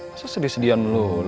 masa sedih sedian lu